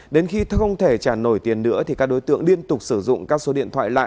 đến khi không thể trả nổi tiền nữa thì các đối tượng liên tục sử dụng các số điện thoại